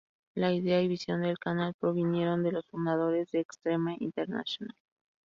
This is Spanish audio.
La idea y visión del canal provinieron de los fundadores de Extreme Internacional.